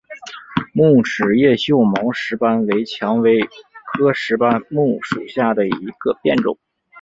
木齿叶锈毛石斑为蔷薇科石斑木属下的一个变种。